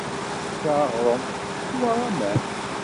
Tečča aɣrum, teswa aman.